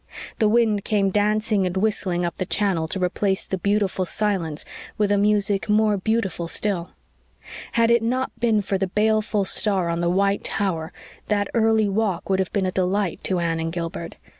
The wind came dancing and whistling up the channel to replace the beautiful silence with a music more beautiful still. Had it not been for the baleful star on the white tower that early walk would have been a delight to Anne and Gilbert.